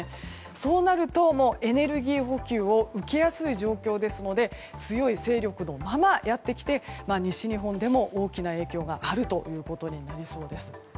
そうなると、エネルギー補給を受けやすい状況ですので強い勢力のままやってきて西日本でも大きな影響があるということになりそうです。